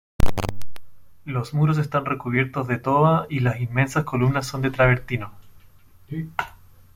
Los muros están recubiertos de toba y las inmensas columnas son de travertino.